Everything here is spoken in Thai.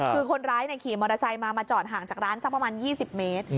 คือคนร้ายขี่มอเตอร์ไซค์มามาจอดห่างจากร้านสักประมาณ๒๐เมตร